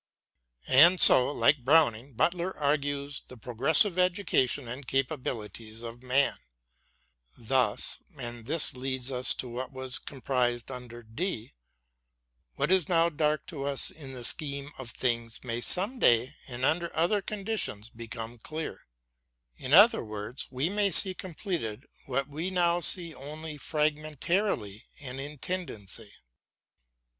And so, like Browning, Butler argues the pro gressive education and capabilities of man. Thus — and this leads us to what was comprised under {J) — ^what is now dark to us in the scheme of things may some day, and under other condi tions, become clear ; in other words, we may see completed what we now see only fragmentarily and in tendency.